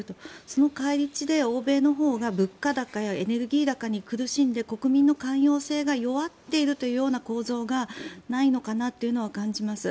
その返り血で欧米のほうが物価高やエネルギー高に苦しんで国民の寛容性が弱っているというような構造がないのかなっていうのは感じます。